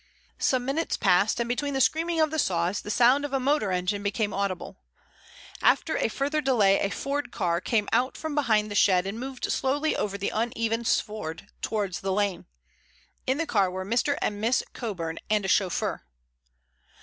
Some minutes passed, and between the screaming of the saws the sound of a motor engine became audible. After a further delay a Ford car came out from behind the shed and moved slowly over the uneven sward towards the lane. In the car were Mr. and Miss Coburn and a chauffeur.